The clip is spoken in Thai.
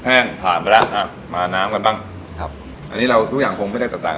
แห้งผ่านไปแล้วอ่ะมาน้ำกันบ้างครับอันนี้เราทุกอย่างคงไม่ได้แตกต่าง